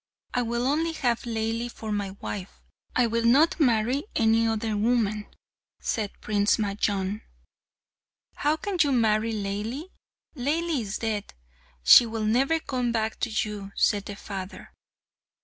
"I will only have Laili for my wife; I will not marry any other woman," said Prince Majnun. "How can you marry Laili? Laili is dead. She will never come back to you," said the father.